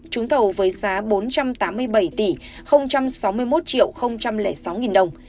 trúng thầu với giá bốn trăm tám mươi bảy sáu mươi một sáu đồng